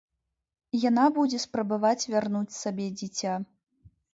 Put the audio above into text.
Яна будзе спрабаваць вярнуць сабе дзіця.